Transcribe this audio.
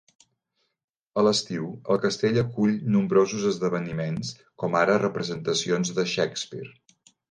A l'estiu, el castell acull nombrosos esdeveniments, com ara representacions de Shakespeare.